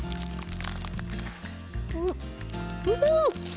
うんうん！